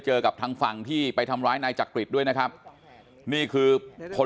กับทางฝั่งที่ไปทำร้ายนายจักริตด้วยนะครับนี่คือคน